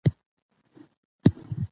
هغه یو ملي مشر او یو ستر مبارز و.